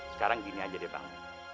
sekarang gini aja deh bang